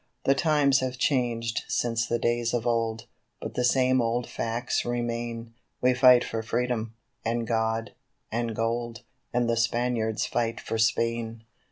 The times have changed since the days of old, but the same old facts remain We fight for Freedom, and God, and Gold, and the Spaniards fight for Spain.